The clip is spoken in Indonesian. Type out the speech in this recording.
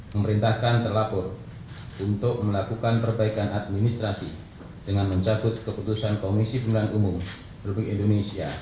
dua pemerintah akan terlapor untuk melakukan perbaikan administrasi dengan mencabut keputusan komisi pemilu umum republik indonesia